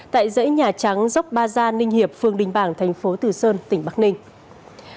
tại dãy nhà trắng dốc ba gia ninh hiệp phường đình bảng thành phố từ sơn tỉnh bắc ninh